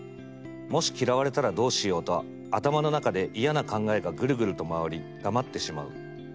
もし嫌われたらどうしようと頭の中で嫌な考えがグルグルと回り黙ってしまう。